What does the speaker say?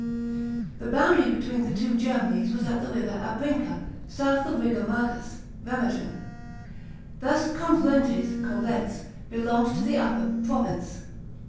The boundary between the two Germanics was at the river Abrinca, south of Rigomagus (Remagcn). Thus Confluentes (Coblenz) belonged to the Upper province.